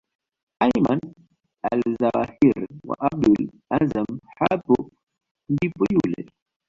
Ayman Alzawahiri wa Abdullah Azzam hapo ndipo yule